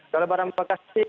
kalau barang bekas sih